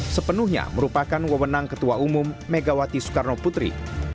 sepenuhnya merupakan wewenang ketua umum megawati soekarno putri